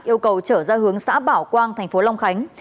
yêu cầu trở ra hướng xã bảo quang tp long khánh